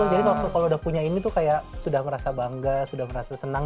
kalau udah punya ini tuh kayak sudah merasa bangga sudah merasa senang